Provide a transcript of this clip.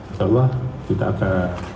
insya allah kita akan